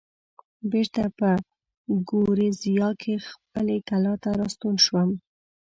بېرته په ګوریزیا کې خپلې کلا ته راستون شوم.